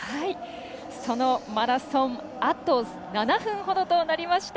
そのマラソンあと７分ほどとなりました。